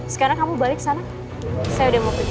sekarang kamu balik sana saya udah mau pergi